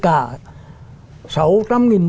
đối với cả